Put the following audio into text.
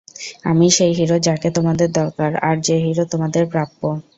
আমিই সেই হিরো যাকে তোমাদের দরকার আর যে হিরো তোমাদের প্রাপ্য।